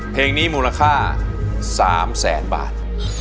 เพลงนี้มูลค่า๓แสนบาท